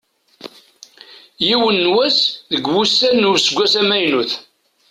Yiwen n wass deg wussan n useggas amaynut.